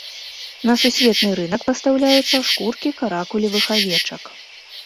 На сусветны рынак пастаўляюцца шкуркі каракулевых авечак.